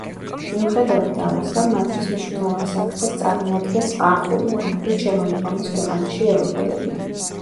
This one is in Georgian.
მიუხედავად ამისა მათთვის მნიშვნელოვან საფრთხეს წარმოადგენს ყარყუმი, რომელიც შემოიყვანეს ქვეყანაში ევროპელებმა.